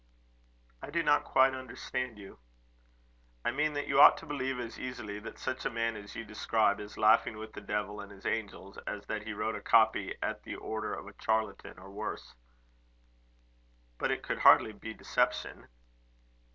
"I do not quite understand you." "I mean, that you ought to believe as easily that such a man as you describe is laughing with the devil and his angels, as that he wrote a copy at the order of a charlatan, or worse." "But it could hardly be deception."